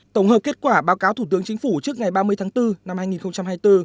tổng hợp kết quả báo cáo thủ tướng chính phủ trước ngày ba mươi tháng bốn năm hai nghìn hai mươi bốn